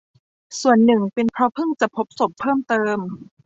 ส่วนหนึ่งเป็นเพราะเพิ่งจะพบศพเพิ่มเติม